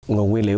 nguồn nguyên liệu